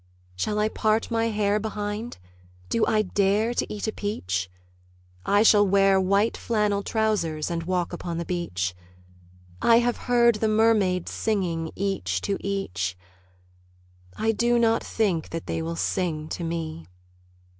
Shall I part my hair behind? Do I dare to eat a peach? I shall wear white flannel trousers, and walk upon the beach. I have heard the mermaids singing, each to each. I do not think that they will sing to me.